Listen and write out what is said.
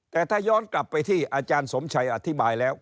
แต่ถ้าย้อนกลับไปที่อาจารย์สมชัยอธิบายแล้ว